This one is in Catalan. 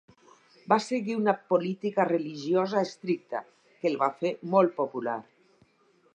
Va seguir una política religiosa estricta que el va fer molt popular.